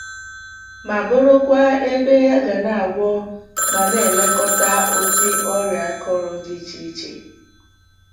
ma bụrụkwa ebe a ga na-agwọ ma na-elekọta ụdị ọrịa akụrụ dị iche iche